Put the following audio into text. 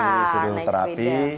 jadi sering terapi